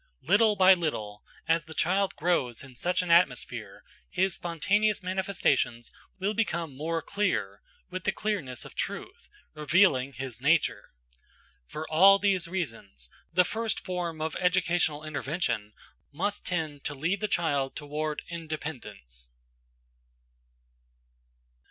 Little by little, as the child grows in such an atmosphere, his spontaneous manifestations will become more clear, with the clearness of truth, revealing his nature. For all these reasons, the first form of educational intervention must tend to lead the child toward independence.